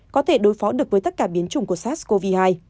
có thể đối phó được với tất cả biến chủng của sars cov hai